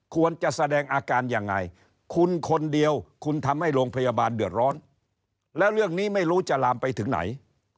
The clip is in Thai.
ควรจะแสดงอาการยังไงคุณคนเดียวคุณทำให้โรงพยาบาลเดือดร้อนแล้วเรื่องนี้ไม่รู้จะลามไปถึงไหน